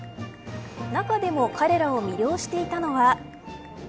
中でも彼らを魅了していたのは。